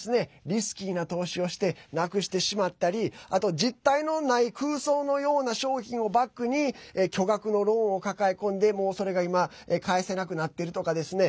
リスキーな投資をしてなくしてしまったりあと実態のない空想のような商品をバックに巨額のローンを抱え込んでもうそれが今返せなくなっているとかですね